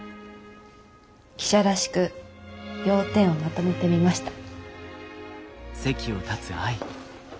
記者らしく要点をまとめてみました。